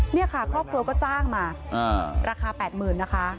นี่ค่ะครอบครัวก็จ้างมาราคา๘๐๐๐นะคะ